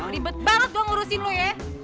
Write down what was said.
dibet banget gue ngurusin lo yeh